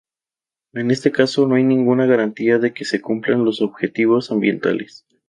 En este caso, no hay ninguna garantía de que se cumplan los objetivos ambientales.